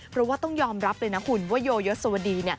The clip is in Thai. เพราะว่าต้องยอมรับเลยนะคุณว่าโยยศวดี